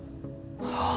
はあ？